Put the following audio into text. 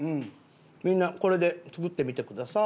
みんなこれで作ってみてくださーい。